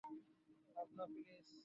ভাবনা, প্লিজ।